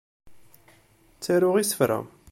Ttaruɣ isefra.